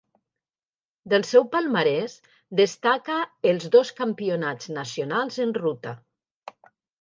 Del seu palmarès destaca els dos Campionats nacionals en ruta.